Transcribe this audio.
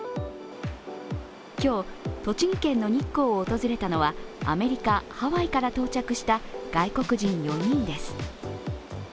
今日、栃木県の日光を訪れたのはアメリカ・ハワイから到着した外国人４人です。